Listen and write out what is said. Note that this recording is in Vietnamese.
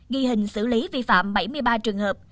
ghi hình xử lý vi phạm bảy mươi ba trường hợp